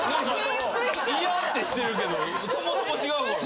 「いや」ってしてるけどそもそも違うから。